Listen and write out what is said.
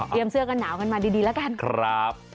เตรียมเสื้อกันหนาวกันมาดีแล้วกัน